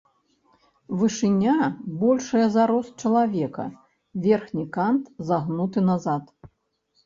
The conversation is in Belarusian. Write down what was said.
Вышыня большая за рост чалавека, верхні кант загнуты назад.